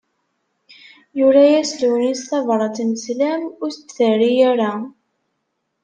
Yura-yas Lewnis tabrat n sslam, ur s-d-terri ara.